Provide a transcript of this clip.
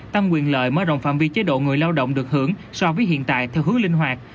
tăng quyền lợi mở rộng phạm vi chế độ người lao động được hưởng so với hiện tại theo hướng linh hoạt